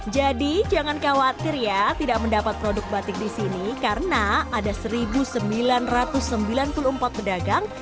jadi jangan khawatir ya tidak mendapat produk batik di sini karena ada satu sembilan ratus sembilan puluh empat pedagang